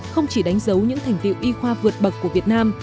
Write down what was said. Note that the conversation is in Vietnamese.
không chỉ đánh dấu những thành tiệu y khoa vượt bậc của việt nam